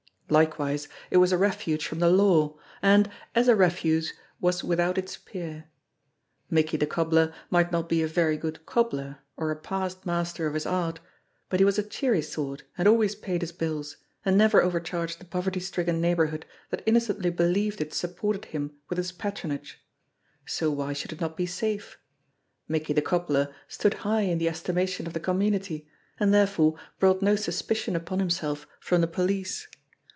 Likewise, it was a refuge from the law, and, as a refuge, was without its peer. Mickey the Cobbler might not be a very good cobbler or a past master of his art, but he was a cheery sort and always paid his bills, and never overcharged the poverty stricken neighbourhood that innocently believed it supported him with its patronage ! So why should it not be safe? Mickey the Cobbler stood high in the estimation of the community, and therefore brought no suspicion upon himself from the police.